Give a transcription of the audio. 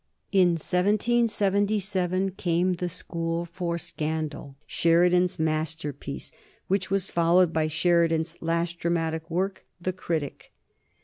In 1777 came "The School for Scandal," Sheridan's masterpiece, which was followed by Sheridan's last dramatic work, "The Critic."